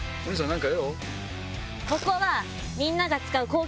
ここはみんなが使う。